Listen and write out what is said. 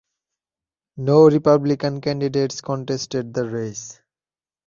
No Republican candidates contested the race.